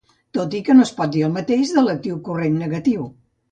Tot i que no es pot dir el mateix de l'actiu corrent negatiu.